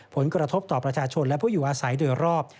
ผลกระทบต่อประชาชนและผู้อยู่อาศัยโดยรอบ